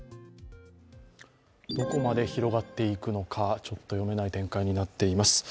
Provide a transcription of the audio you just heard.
どこまで広がっていくのか、ちょっと読めない展開になっています。